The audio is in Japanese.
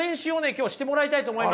今日はしてもらいたいと思います。